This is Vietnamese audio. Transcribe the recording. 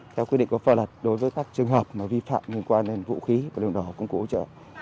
theo quy định của phò lật đối với các trường hợp mà vi phạm liên quan đến vũ khí và lổ lổ công cụ hỗ trợ